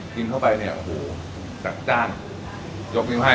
กินเข้าไปเนี้ยโหจักจ้านยกริมให้